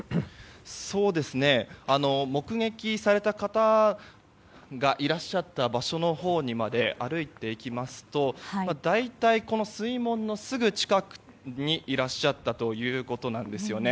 目撃された方がいらっしゃった場所のほうまで歩いていきますと大体この水門のすぐ近くにいらっしゃったということなんですね。